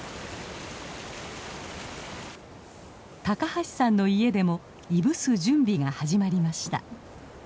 高橋さんの家でもいぶす準備が始まりました。